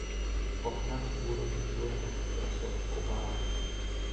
Okna v úrovni druhého patra jsou oválná.